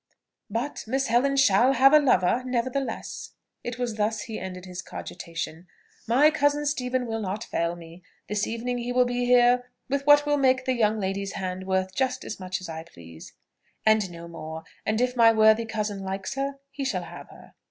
"But Miss Helen shall have a lover, nevertheless." It was thus he ended his cogitation. "My cousin Stephen will not fail me. This evening he will be here with what will make the young lady's hand worth just as much as I please, and no more: and if my worthy cousin likes her, he shall have her."